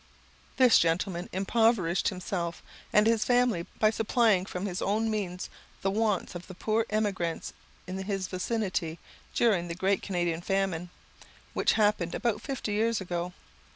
This gentleman impoverished himself and his family by supplying from his own means the wants of the poor emigrants in his vicinity during the great Canadian famine, which happened about fifty years ago.